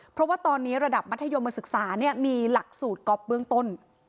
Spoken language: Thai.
เพราะว่าตอนนี้ระดับมัธยมศึกษามีหลักสูตรก๊อฟเบื้องต้น